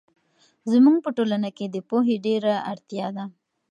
زموږ په ټولنه کې د پوهې ډېر اړتیا ده.